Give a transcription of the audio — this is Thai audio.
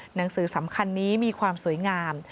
หนังสือสำคัญนี้มีความสวยงาม